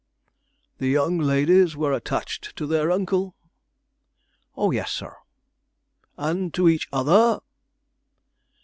"The young ladies were attached to their uncle?" "O yes, sir." "And to each other?"